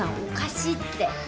おかしいって。